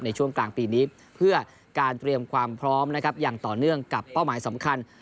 ในช่วงกลางปีนี้เพื่อการเตรียมความพร้อมนะครับอย่างต่อเนื่องกับเป้าหมายสำคัญ